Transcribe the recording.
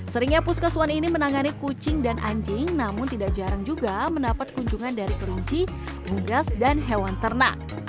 seringnya puskesuan ini menangani kucing dan anjing namun tidak jarang juga mendapat kunjungan dari kerunci bunggas dan hewan ternak